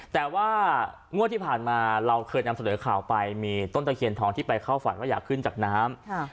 แต่ว่างวดที่ผ่านมาเราเคยนำเสนอข่าวไปมีต้นตะเคียนทองที่ไปเข้าฝันว่าอยากขึ้นจากน้ำ